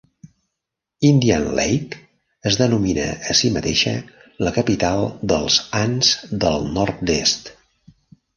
Indian Lake es denomina a si mateixa la "capital dels ants del nord-est".